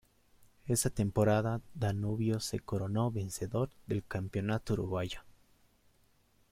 Esa temporada, Danubio se coronó vencedor del Campeonato Uruguayo.